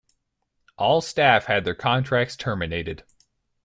All staff had their contracts terminated.